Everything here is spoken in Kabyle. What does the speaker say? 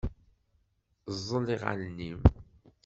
Ẓẓel iɣallen-im.